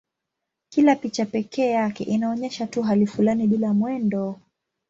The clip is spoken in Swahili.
Kila picha pekee yake inaonyesha tu hali fulani bila mwendo.